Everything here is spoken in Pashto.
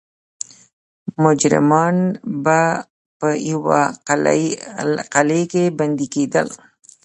مجرمان به په یوې قلعې کې بندي کېدل.